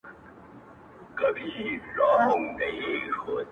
زموږ څه ژوند واخله.